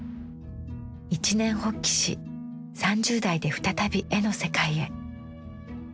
一念発起し３０代で再び絵の世界へ。